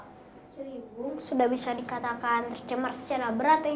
ciliwung sudah bisa dikatakan tercemar secara berat iyun